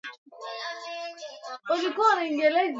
Asilimia tano hadi asilimia tatu